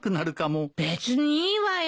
別にいいわよ。